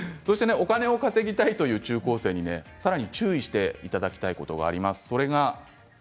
お金を稼ぎたいという中高生にさらに注意していただきたいことがあります。